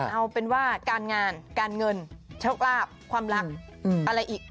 เอาเป็นว่าการงานการเงินโชคลาภความรักอะไรอีก